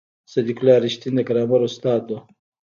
صدیق الله رښتین د ګرامر استاد و.